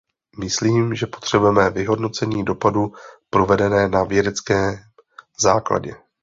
Myslím, že potřebujeme vyhodnocení dopadu provedené na vědeckém základě.